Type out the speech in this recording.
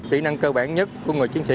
tỉ năng cơ bản nhất của người chiến sĩ